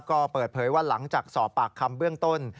ก็เปิดเผยว่าหลังจากสอบปากคำเบื้องต้น